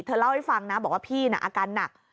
เล่าให้ฟังนะบอกว่าพี่น่ะอาการหนัก